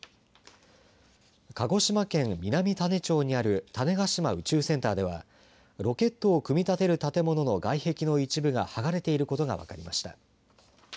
鹿児島県南種子町にある種子島宇宙センターではロケットを組み立てる建物の外壁の一部がはがれていることが分かりました。